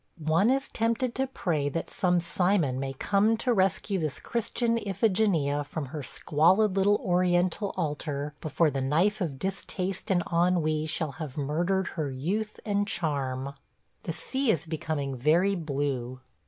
One is tempted to pray that some Cymon may come to rescue this Christian Iphigenia from her squalid little Oriental altar before the knife of distaste and ennui shall have murdered her youth and charm. ... The sea is becoming very blue.